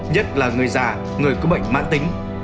nhất là người già người có bệnh mãn tính